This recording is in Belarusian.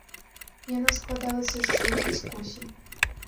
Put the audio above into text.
Яно складалася з дзвюх дыскусій.